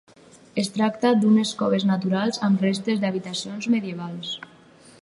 Es tracta d'unes coves naturals amb restes d'habitacions medievals.